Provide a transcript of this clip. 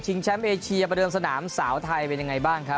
แชมป์เอเชียประเดิมสนามสาวไทยเป็นยังไงบ้างครับ